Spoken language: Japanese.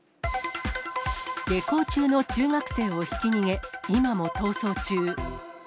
下校中の中学生をひき逃げ、今も逃走中。